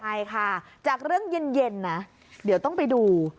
ใช่ค่ะจากเรื่องเย็นนะเดี๋ยวต้องไปดู